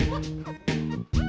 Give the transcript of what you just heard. clark kich di pulang